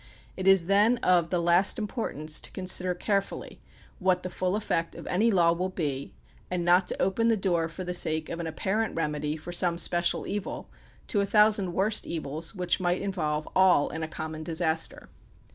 It is, then, of the last importance to consider carefully what the full effect of any law will be and not to open the door for the sake of an apparent remedy for some special evil to a thousand worse evils which might involve all in a common disaster.